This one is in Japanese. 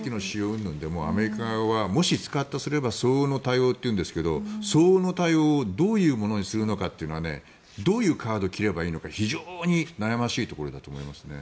うんぬんでもアメリカ側はもし使ったとすれば相応の対応と言うんですが相応の対応をどういうものにするのかっていうのはどういうカードを切ればいいのか非常に悩ましいところだと思いますね。